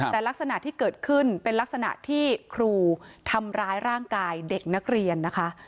แต่ลักษณะที่เกิดขึ้นเป็นลักษณะที่ครูทำร้ายร่างกายเด็กนักเรียนนะคะ